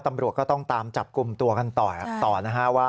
ตำรวจก็ต้องตามจับกลุ่มตัวกันต่อนะฮะว่า